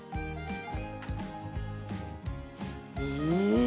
うん！